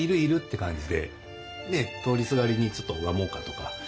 通りすがりにちょっと拝もうかとか。